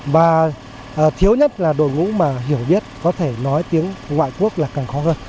và thứ nhất là đội ngũ mà hiểu biết có thể nói tiếng ngoại quốc là càng khó hơn